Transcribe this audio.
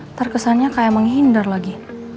ntar kesannya kayak menghindar lagi